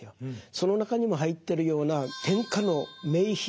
その中にも入ってるような天下の名品。